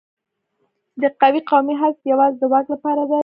د دوی قومي حسد یوازې د واک لپاره دی.